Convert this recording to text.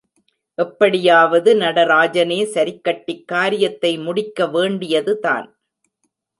எப்படியாவது நடராஜனே சரிக்கட்டிக் காரியத்தை முடிக்க வேண்டியதுதான்.